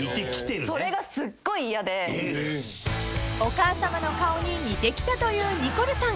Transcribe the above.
［お母さまの顔に似てきたというニコルさん］